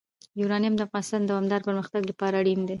یورانیم د افغانستان د دوامداره پرمختګ لپاره اړین دي.